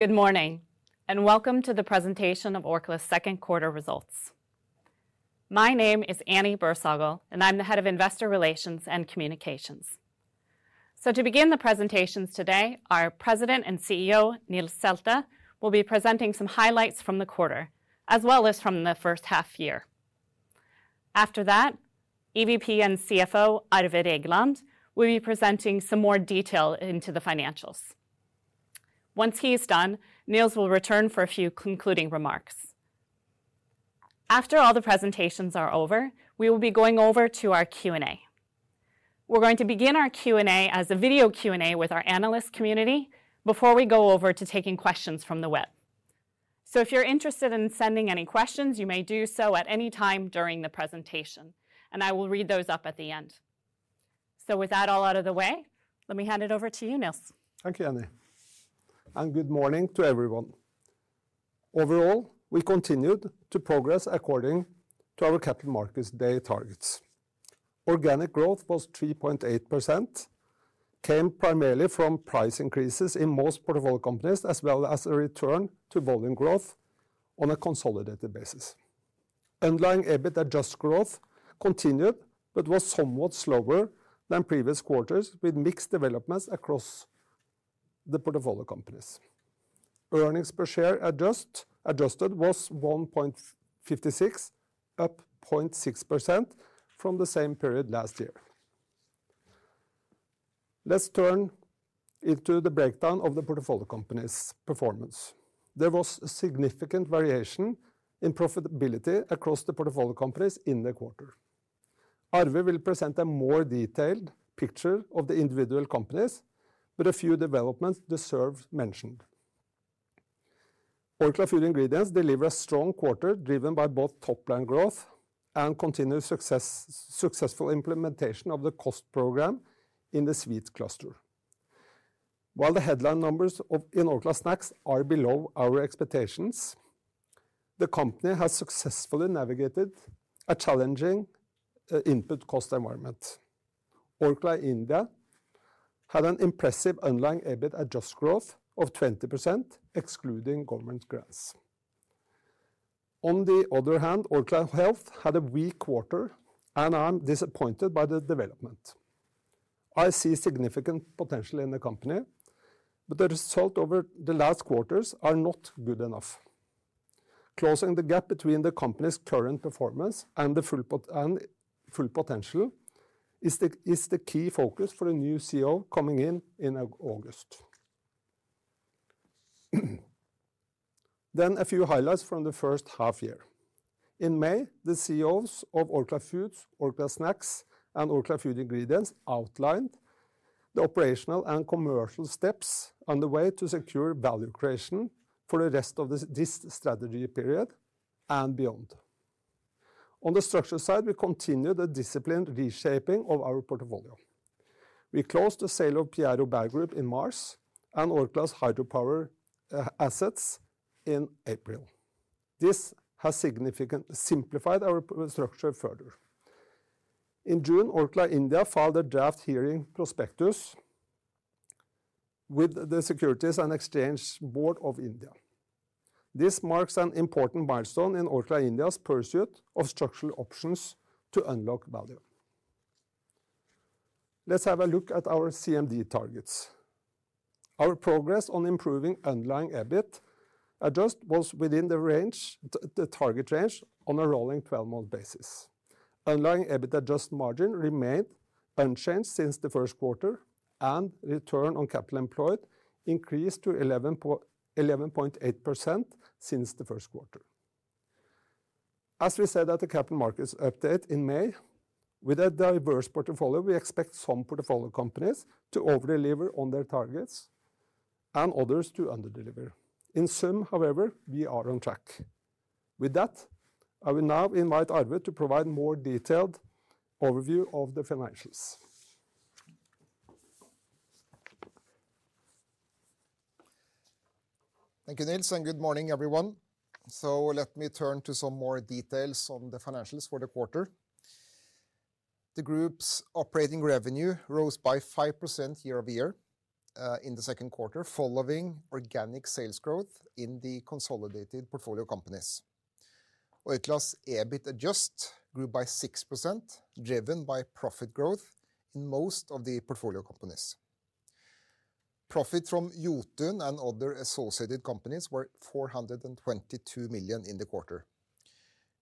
Good morning and welcome to the presentation of Orkla's second quarter results. My name is Annie Bersagel, and I'm the Head of Investor Relations and Communications. To begin the presentations today, our President and CEO, Nils Selte, will be presenting some highlights from the quarter, as well as from the first half year. After that, EVP and CFO, Arve Regland, will be presenting some more detail into the financials. Once he is done, Nils will return for a few concluding remarks. After all the presentations are over, we will be going over to our Q&A. We're going to begin our Q&A as a video Q&A with our analyst community before we go over to taking questions from the web. If you're interested in sending any questions, you may do so at any time during the presentation, and I will read those up at the end. With that all out of the way, let me hand it over to you, Nils. Thank you, Annie. Good morning to everyone. Overall, we continued to progress according to our Capital Markets Day targets. Organic growth was 3.8%. Came primarily from price increases in most portfolio companies, as well as a return to volume growth on a consolidated basis. Underlying EBIT adjusted growth continued but was somewhat slower than previous quarters, with mixed developments across the portfolio companies. Earnings per share adjusted was 1.56%, up 0.6% from the same period last year. Let's turn into the breakdown of the portfolio companies' performance. There was a significant variation in profitability across the portfolio companies in the quarter. Arve will present a more detailed picture of the individual companies with a few developments they served mentioned. Orkla Fuel Ingredients delivered a strong quarter driven by both top-line growth and continued successful implementation of the cost program in the Sweet cluster. While the headline numbers in Orkla SNACKS are below our expectations, the company has successfully navigated a challenging input cost environment. Orkla India had an impressive underlying EBIT adjusted growth of 20%, excluding government grants. On the other hand, Orkla Health had a weak quarter, and I'm disappointed by the development. I see significant potential in the company, but the results over the last quarters are not good enough. Closing the gap between the company's current performance and the full potential is the key focus for the new CEO coming in in August. A few highlights from the first half year. In May, the CEOs of Orkla Foods, Orkla SNACKS, and Orkla Fuel Ingredients outlined the operational and commercial steps on the way to secure value creation for the rest of this strategy period and beyond. On the structure side, we continued the disciplined reshaping of our portfolio. We closed the sale of Pierre Robert Group in March and Orkla's hydropower assets in April. This has significantly simplified our structure further. In June, Orkla India filed a draft hearing prospectus with the Securities and Exchange Board of India. This marks an important milestone in Orkla India's pursuit of structural options to unlock value. Let's have a look at our CMD targets. Our progress on improving underlying EBIT adjusted was within the target range on a rolling 12-month basis. Underlying EBIT adjusted margin remained unchanged since the first quarter, and return on capital employed increased to 11.8% since the first quarter. As we said at the Capital Markets Update in May, with a diverse portfolio, we expect some portfolio companies to overdeliver on their targets and others to underdeliver. In sum, however, we are on track. With that, I will now invite Arve to provide a more detailed overview of the financials. Thank you, Nils, and good morning, everyone. Let me turn to some more details on the financials for the quarter. The group's operating revenue rose by 5% year-over-year in the second quarter, following organic sales growth in the consolidated portfolio companies. Orkla's EBIT adjusted grew by 6%, driven by profit growth in most of the portfolio companies. Profit from Jotun and other associated companies was 422 million in the quarter.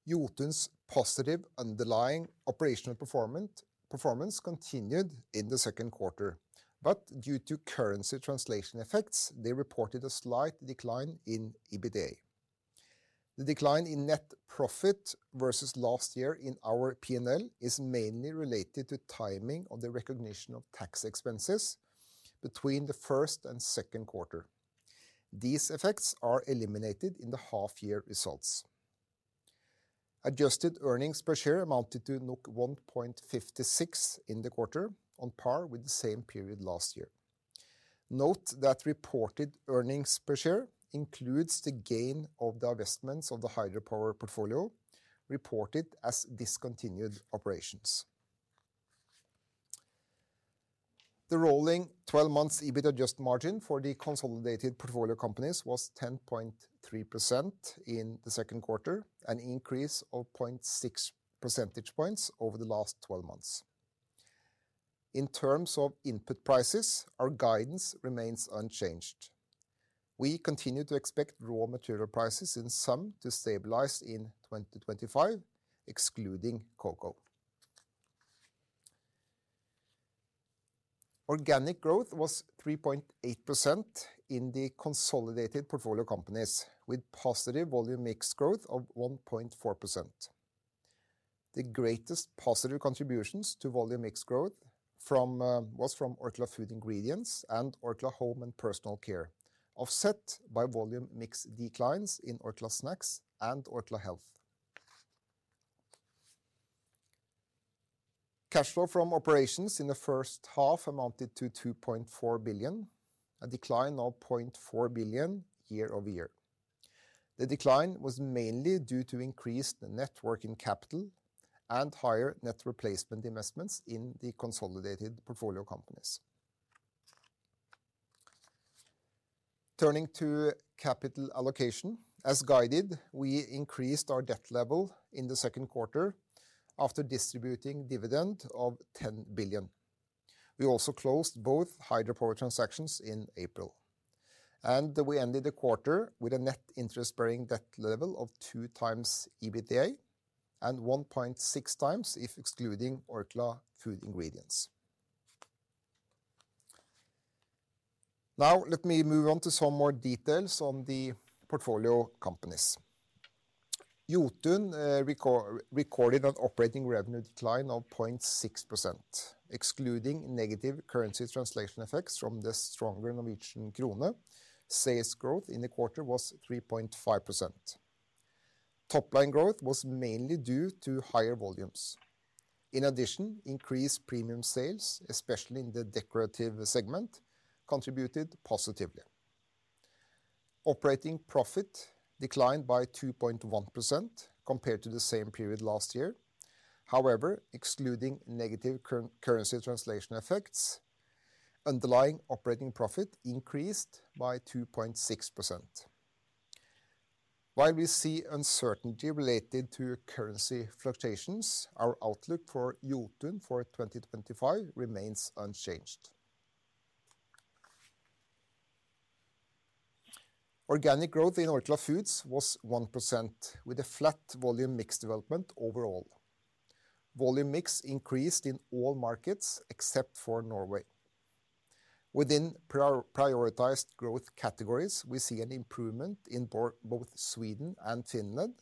Jotun's positive underlying operational performance continued in the second quarter, but due to currency translation effects, they reported a slight decline in EBITDA. The decline in net profit versus last year in our P&L is mainly related to timing of the recognition of tax expenses between the first and second quarter. These effects are eliminated in the half-year results. Adjusted earnings per share amounted to 1.56 in the quarter, on par with the same period last year. Note that reported earnings per share includes the gain of the investments of the Hydropower portfolio reported as discontinued operations. The rolling 12-month EBIT adjusted margin for the consolidated portfolio companies was 10.3% in the second quarter, an increase of 0.6 percentage points over the last 12 months. In terms of input prices, our guidance remains unchanged. We continue to expect raw material prices in some to stabilize in 2025, excluding cocoa. Organic growth was 3.8% in the consolidated portfolio companies, with positive volume mix growth of 1.4%. The greatest positive contributions to volume mix growth was from Orkla Fuel Ingredients and Orkla Home and Personal Care, offset by volume mix declines in Orkla SNACKS and Orkla Health. Cash flow from operations in the first half amounted to 2.4 billion, a decline of 0.4 billion year-over-year. The decline was mainly due to increased net working capital and higher net replacement investments in the consolidated portfolio companies. Turning to capital allocation, as guided, we increased our debt level in the second quarter after distributing a dividend of 10 billion. We also closed both hydropower transactions in April. We ended the quarter with a net interest-bearing debt level of two times EBITDA and 1.6x if excluding Orkla Fuel Ingredients. Now, let me move on to some more details on the portfolio companies. Jotun recorded an operating revenue decline of 0.6%, excluding negative currency translation effects from the stronger Norwegian krone. Sales growth in the quarter was 3.5%. Top-line growth was mainly due to higher volumes. In addition, increased premium sales, especially in the decorative segment, contributed positively. Operating profit declined by 2.1% compared to the same period last year. However, excluding negative currency translation effects, underlying operating profit increased by 2.6%. While we see uncertainty related to currency fluctuations, our outlook for Jotun for 2025 remains unchanged. Organic growth in Orkla Foods was 1%, with a flat volume mix development overall. Volume mix increased in all markets except for Norway. Within prioritized growth categories, we see an improvement in both Sweden and Finland,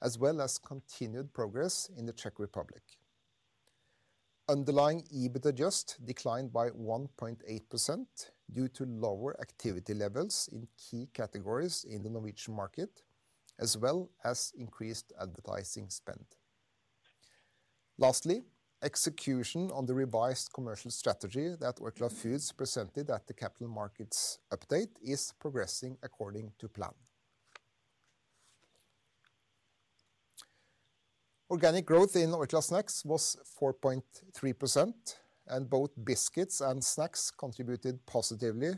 as well as continued progress in the Czech Republic. Underlying EBIT adjusted declined by 1.8% due to lower activity levels in key categories in the Norwegian market, as well as increased advertising spend. Lastly, execution on the revised commercial strategy that Orkla Foods presented at the Capital Markets Update is progressing according to plan. Organic growth in Orkla SNACKS was 4.3%, and both biscuits and snacks contributed positively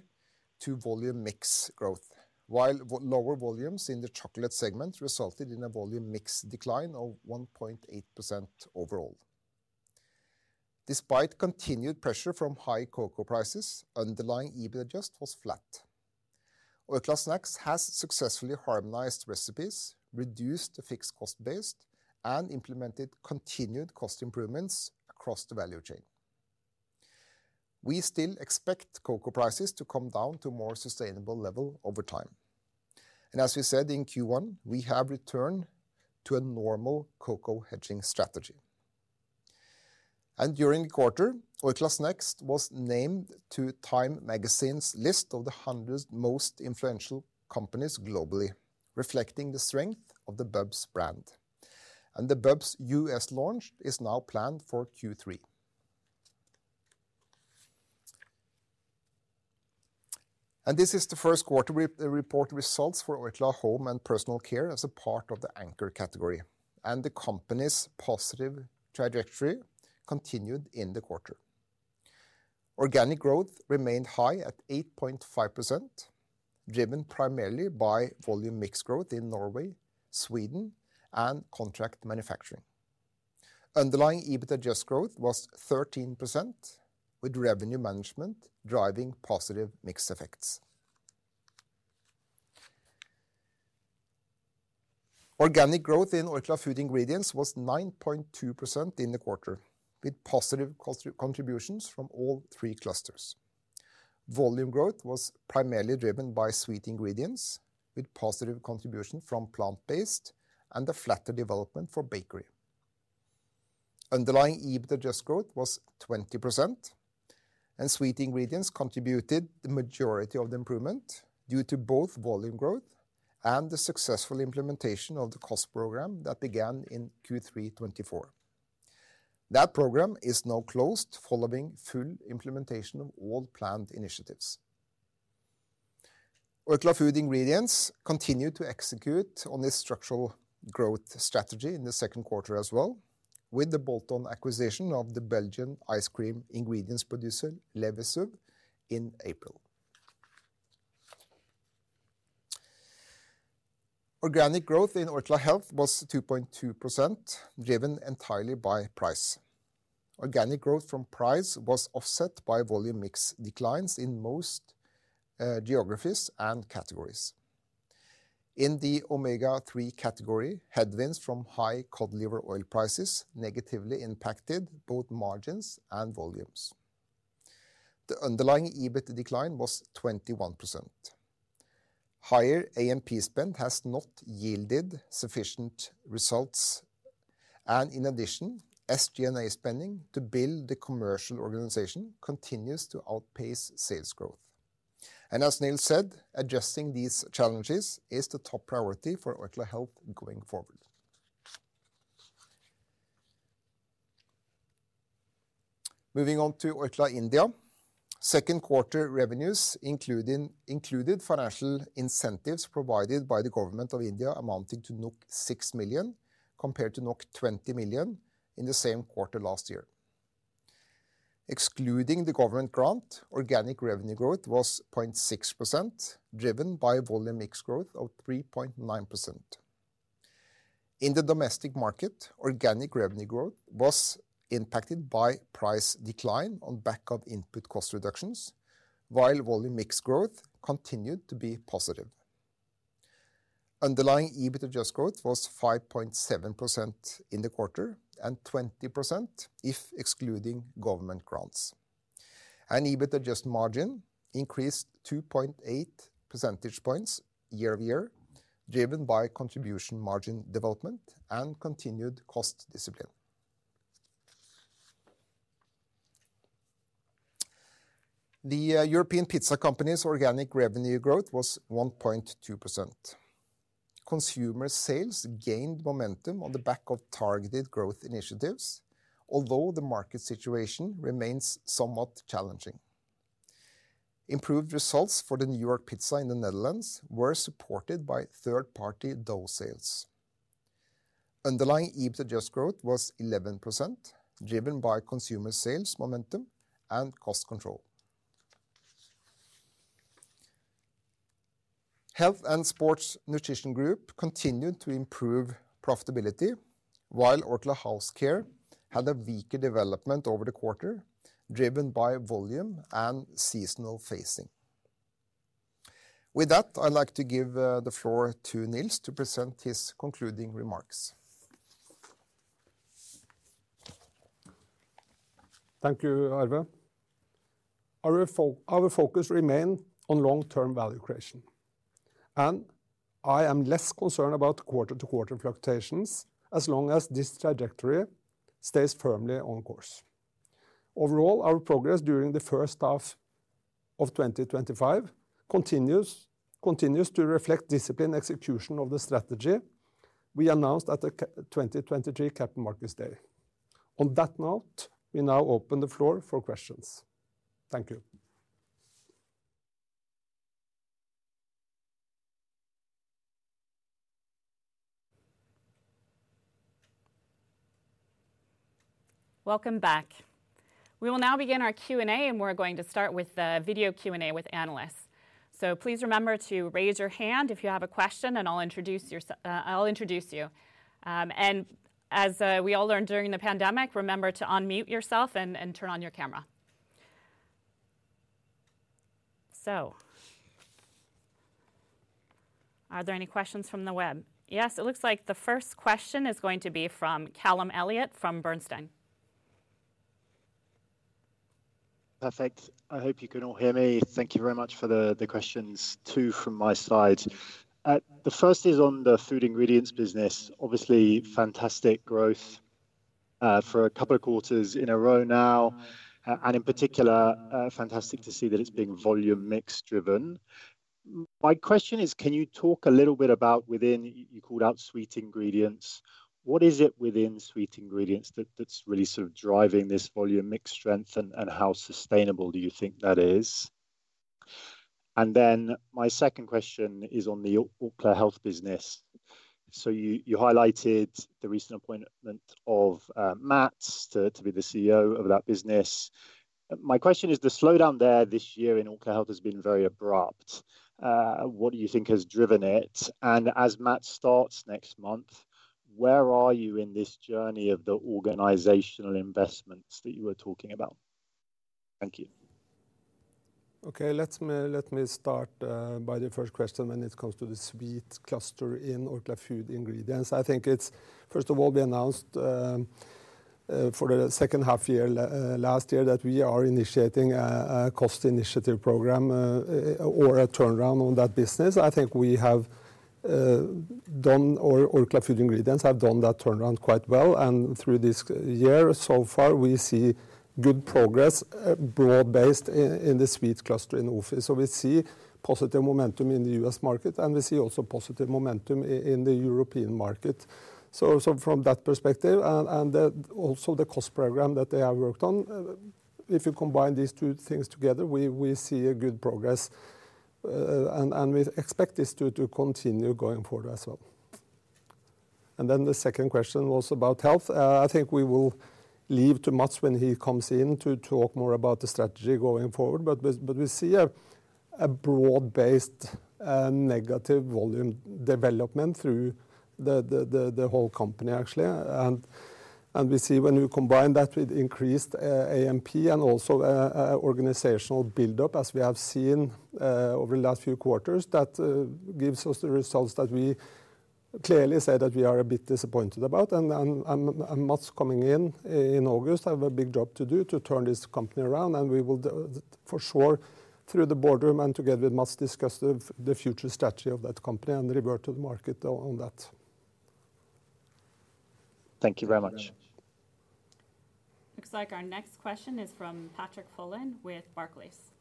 to volume mix growth, while lower volumes in the chocolate segment resulted in a volume mix decline of 1.8% overall. Despite continued pressure from high cocoa prices, underlying EBIT adjusted was flat. Orkla SNACKS has successfully harmonized recipes, reduced the fixed cost base, and implemented continued cost improvements across the value chain. We still expect cocoa prices to come down to a more sustainable level over time. As we said in Q1, we have returned to a normal cocoa hedging strategy. During the quarter, Orkla SNACKS was named to Time Magazine's list of the 100 most influential companies globally, reflecting the strength of the BEBS brand. The BEBS U.S. launch is now planned for Q3. This is the first quarter report results for Orkla Home and Personal Care as a part of the Anchor category. The company's positive trajectory continued in the quarter. Organic growth remained high at 8.5%, driven primarily by volume mix growth in Norway, Sweden, and contract manufacturing. Underlying EBIT adjusted growth was 13%, with revenue management driving positive mix effects. Organic growth in Orkla Fuel Ingredients was 9.2% in the quarter, with positive contributions from all three clusters. Volume growth was primarily driven by sweet ingredients, with positive contribution from plant-based and a flatter development for bakery. Underlying EBIT adjusted growth was 20%. Sweet ingredients contributed the majority of the improvement due to both volume growth and the successful implementation of the cost program that began in Q3 2024. That program is now closed following full implementation of all planned initiatives. Orkla Fuel Ingredients continued to execute on its structural growth strategy in the second quarter as well, with the bolt-on acquisition of the Belgian ice cream ingredients producer Levesub in April. Organic growth in Orkla Health was 2.2%, driven entirely by price. Organic growth from price was offset by volume mix declines in most geographies and categories. In the Omega 3 category, headwinds from high cod liver oil prices negatively impacted both margins and volumes. The underlying EBIT decline was 21%. Higher AMP spend has not yielded sufficient results. In addition, SG&A spending to build the commercial organization continues to outpace sales growth. As Nils said, addressing these challenges is the top priority for Orkla Health going forward. Moving on to Orkla India, second quarter revenues included. Financial incentives provided by the Government of India amounting to 6 million compared to 20 million in the same quarter last year. Excluding the government grant, organic revenue growth was 0.6%, driven by volume mix growth of 3.9%. In the domestic market, organic revenue growth was impacted by price decline on back of input cost reductions, while volume mix growth continued to be positive. Underlying EBIT adjusted growth was 5.7% in the quarter and 20% if excluding government grants. EBIT adjusted margin increased 2.8 percentage points year over year, driven by contribution margin development and continued cost discipline. The European Pizza Company's organic revenue growth was 1.2%. Consumer sales gained momentum on the back of targeted growth initiatives, although the market situation remains somewhat challenging. Improved results for the New York Pizza in the Netherlands were supported by third-party dough sales. Underlying EBIT adjusted growth was 11%, driven by consumer sales momentum and cost control. Health and Sports Nutrition Group continued to improve profitability, while Orkla Health had a weaker development over the quarter, driven by volume and seasonal phasing. With that, I'd like to give the floor to Nils to present his concluding remarks. Thank you, Arve. Our focus remains on long-term value creation. I am less concerned about quarter-to-quarter fluctuations as long as this trajectory stays firmly on course. Overall, our progress during the first half of 2025 continues to reflect disciplined execution of the strategy we announced at the 2023 Capital Markets Day. On that note, we now open the floor for questions. Thank you. Welcome back. We will now begin our Q&A, and we're going to start with the video Q&A with analysts. Please remember to raise your hand if you have a question, and I'll introduce you. As we all learned during the pandemic, remember to unmute yourself and turn on your camera. Are there any questions from the web? Yes, it looks like the first question is going to be from Callum Elliott from Bernstein. Perfect. I hope you can all hear me. Thank you very much for the questions. Two from my side. The first is on the food ingredients business. Obviously, fantastic growth for a couple of quarters in a row now. In particular, fantastic to see that it's being volume mix driven. My question is, can you talk a little bit about within, you called out sweet ingredients, what is it within sweet ingredients that's really sort of driving this volume mix strength, and how sustainable do you think that is? My second question is on the Orkla Health business. You highlighted the recent appointment of Matt to be the CEO of that business. My question is, the slowdown there this year in Orkla Health has been very abrupt. What do you think has driven it? As Matt starts next month, where are you in this journey of the organizational investments that you were talking about? Thank you. Okay, let me start by the first question when it comes to the sweet cluster in Orkla Fuel Ingredients. I think it's, first of all, been announced for the second half year last year that we are initiating a cost initiative program or a turnaround on that business. I think we have done, or Orkla Fuel Ingredients have done that turnaround quite well. Through this year so far, we see good progress broad-based in the sweet cluster in OFI. We see positive momentum in the U.S. market, and we see also positive momentum in the European market. From that perspective, and also the cost program that they have worked on, if you combine these two things together, we see good progress. We expect this to continue going forward as well. The second question was about health. I think we will leave to Mats when he comes in to talk more about the strategy going forward. We see a broad-based negative volume development through the whole company, actually. We see when you combine that with increased AMP and also organizational buildup, as we have seen over the last few quarters, that gives us the results that we clearly say that we are a bit disappointed about. Matts coming in in August has a big job to do to turn this company around. We will for sure, through the boardroom and together with Matts, discuss the future strategy of that company and revert to the market on that. Thank you very much. Looks like our next question is from Patrick Folan with Barclays.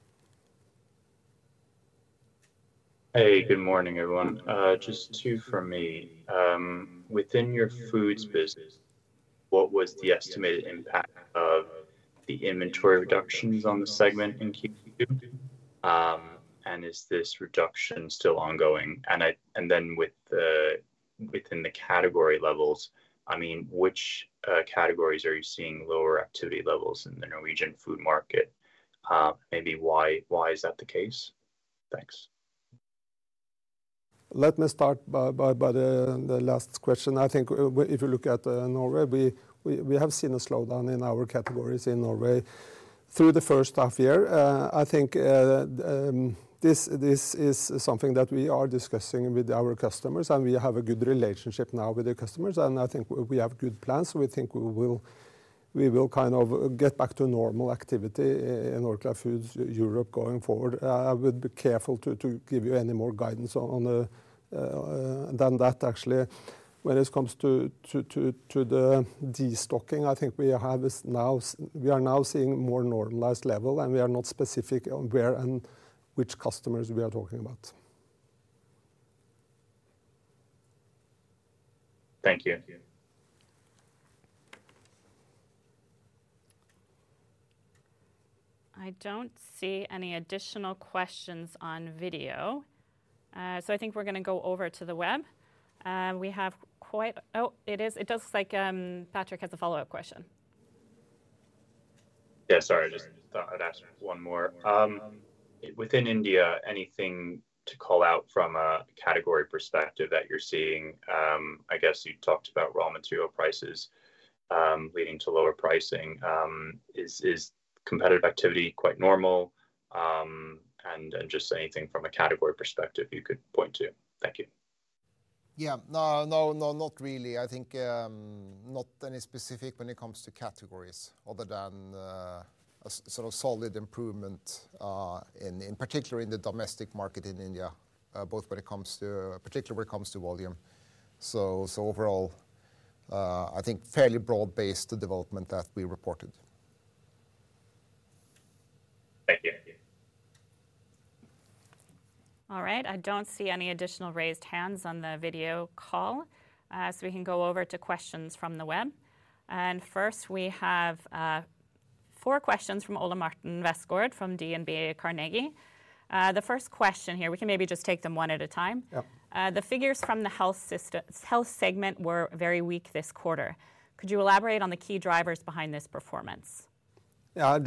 Hey, good morning, everyone. Just two from me. Within your foods business, what was the estimated impact of the inventory reductions on the segment in Q2? Is this reduction still ongoing? With the category levels, I mean, which categories are you seeing lower activity levels in the Norwegian food market? Maybe why is that the case? Thanks. Let me start by the last question. I think if you look at Norway, we have seen a slowdown in our categories in Norway through the first half year. I think this is something that we are discussing with our customers, and we have a good relationship now with the customers. I think we have good plans. We think we will kind of get back to normal activity in Orkla Foods Europe going forward. I would be careful to give you any more guidance on that, actually. When it comes to the destocking, I think we are now seeing more normalized level, and we are not specific on where and which customers we are talking about. Thank you. I don't see any additional questions on video. I think we're going to go over to the web. We have quite—oh, it does look like Patrick has a follow-up question. Yeah, sorry, I just thought I'd ask one more. Within India, anything to call out from a category perspective that you're seeing? I guess you talked about raw material prices leading to lower pricing. Is competitive activity quite normal? Just anything from a category perspective you could point to. Thank you. Yeah, no, not really. I think. Not any specific when it comes to categories other than a sort of solid improvement. In particular in the domestic market in India, both when it comes to—particularly when it comes to volume. So overall. I think fairly broad-based the development that we reported. Thank you. All right, I do not see any additional raised hands on the video call. We can go over to questions from the web. First, we have four questions from Ole Martin Veskård from DNB Carnegie. The first question here, we can maybe just take them one at a time. The figures from the health segment were very weak this quarter. Could you elaborate on the key drivers behind this performance? Yeah,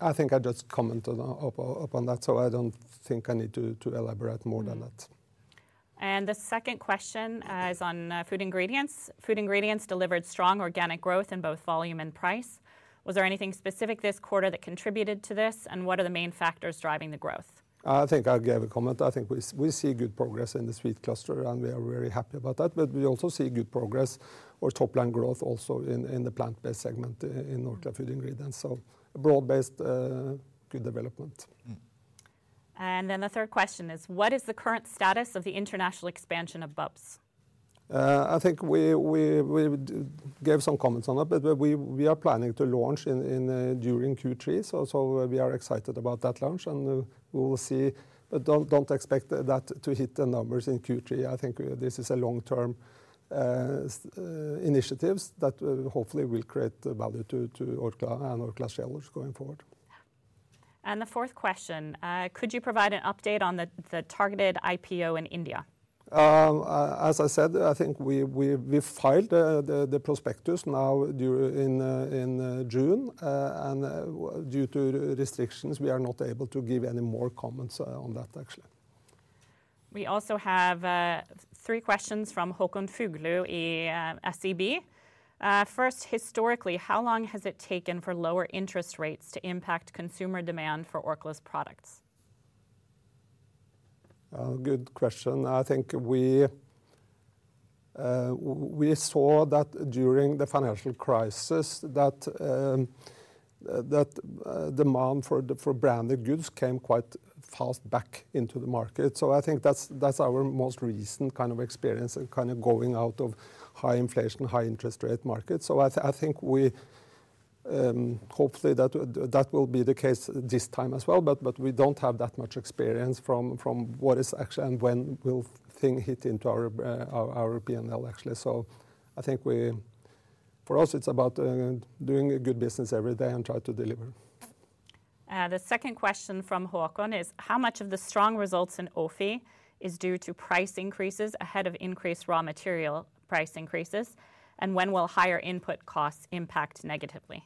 I think I just commented upon that, so I don't think I need to elaborate more than that. The second question is on food ingredients. Food ingredients delivered strong organic growth in both volume and price. Was there anything specific this quarter that contributed to this, and what are the main factors driving the growth? I think I'll give a comment. I think we see good progress in the sweet cluster, and we are very happy about that. We also see good progress or top-line growth also in the plant-based segment in Orkla Fuel Ingredients. So broad-based good development. The third question is, what is the current status of the international expansion of BUBS? I think we gave some comments on that, but we are planning to launch during Q3. We are excited about that launch, and we will see. Do not expect that to hit the numbers in Q3. I think this is a long-term initiative that hopefully will create value to Orkla and Orkla shareholders going forward. Could you provide an update on the targeted IPO in India? As I said, I think we filed the prospectus now in June. Due to restrictions, we are not able to give any more comments on that, actually. We also have three questions from Håkon Fuglu in SEB. First, historically, how long has it taken for lower interest rates to impact consumer demand for Orkla's products? Good question. I think we saw that during the financial crisis that demand for branded goods came quite fast back into the market. I think that's our most recent kind of experience in kind of going out of high inflation, high interest rate market. I think we hopefully that will be the case this time as well. We do not have that much experience from what is actually and when will things hit into our P&L, actually. I think for us, it's about doing good business every day and trying to deliver. The second question from Håkon is, how much of the strong results in OFI is due to price increases ahead of increased raw material price increases, and when will higher input costs impact negatively?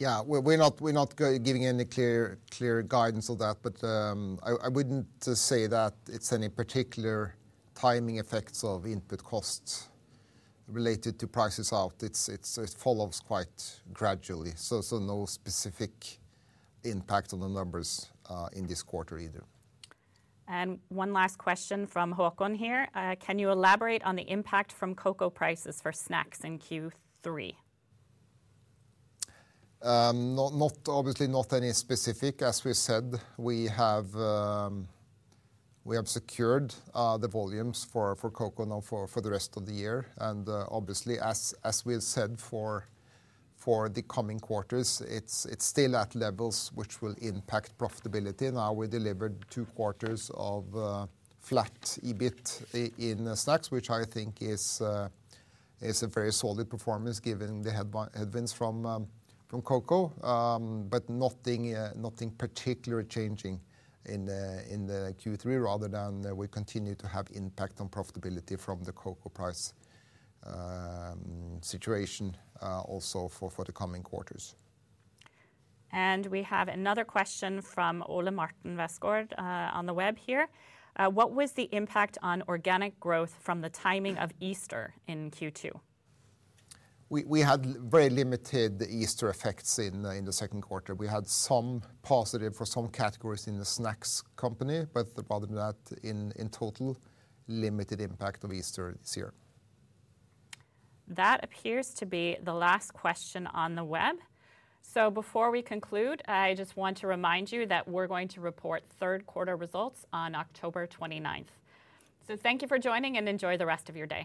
Yeah, we're not giving any clear guidance on that, but I wouldn't say that it's any particular timing effects of input costs related to prices out. It follows quite gradually. No specific impact on the numbers in this quarter either. One last question from Håkon here. Can you elaborate on the impact from cocoa prices for snacks in Q3? Obviously, not any specific. As we said, we have secured the volumes for cocoa for the rest of the year. Obviously, as we said for the coming quarters, it's still at levels which will impact profitability. Now we delivered two quarters of flat EBIT in snacks, which I think is a very solid performance given the headwinds from cocoa. Nothing particularly changing in the Q3, rather than we continue to have impact on profitability from the cocoa price situation also for the coming quarters. We have another question from Ole Martin Veskård on the web here. What was the impact on organic growth from the timing of Easter in Q2? We had very limited Easter effects in the second quarter. We had some positive for some categories in the snacks company, but rather than that, in total, limited impact of Easter this year. That appears to be the last question on the web. Before we conclude, I just want to remind you that we're going to report third quarter results on October 29th. Thank you for joining and enjoy the rest of your day.